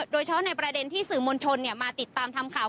โดยเฉพาะในประเด็นที่สื่อมวลชนมาติดตามทำข่าว